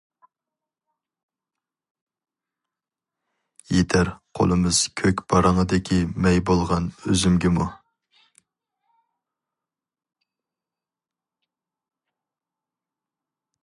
يېتەر قولىمىز كۆك بارىڭىدىكى مەي بولغان ئۈزۈمگىمۇ.